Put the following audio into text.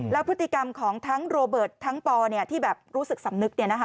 แล้วพฤติกรรมของทั้งโรเบิร์ตทั้งปที่แบบรู้สึกสำนึก